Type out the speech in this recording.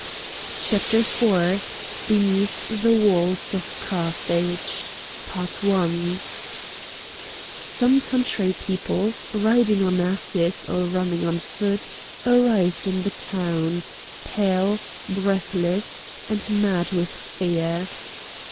CHAPTER IV BENEATH THE WALLS OF CARTHAGE Some country people, riding on asses or running on foot, arrived in the town, pale, breathless, and mad with fear.